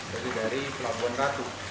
dari pelabuhan ratu